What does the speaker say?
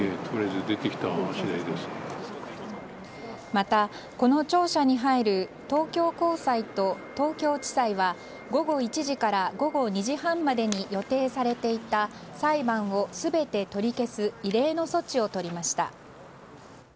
また、この庁舎に入る東京高裁と東京地裁は午後１時から午後２時半までに予定されていた裁判を全て取り消す異例の措置をとりました。